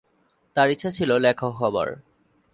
তার ইচ্ছা ছিল লেখক হবার।